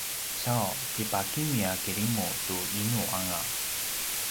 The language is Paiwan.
sau kipakimi a kirimu tu inu anga